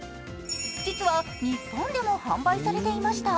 実は、日本でも販売されていました